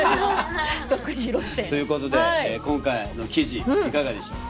独自路線。ということで今回の記事いかがでした？